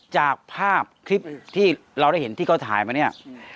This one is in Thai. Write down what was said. จากภาพคลิปที่เราได้เห็นที่เขาถ่ายมาเนี่ย